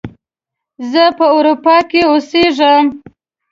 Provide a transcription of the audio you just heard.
زه په اروپا کې اوسیږم